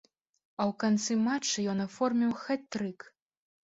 А ў канцы матча ён аформіў хет-трык.